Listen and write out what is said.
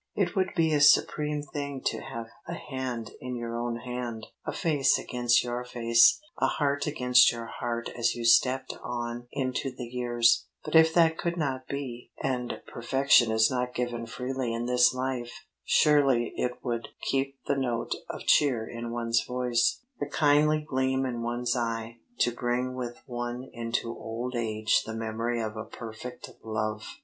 It would be a supreme thing to have a hand in your hand, a face against your face, a heart against your heart as you stepped on into the years; but if that could not be, and perfection is not given freely in this life, surely it would keep the note of cheer in one's voice, the kindly gleam in one's eye, to bring with one into old age the memory of a perfect love.